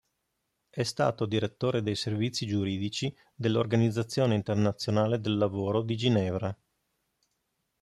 È stato direttore dei servizi giuridici dell'Organizzazione internazionale del lavoro di Ginevra.